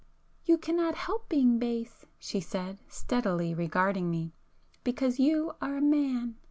"You cannot help being base," she said, steadily regarding me,—"because you are a man.